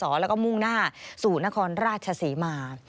สวรรค์และก็มุ่งหน้าสู่ธนโภครราชสีมาน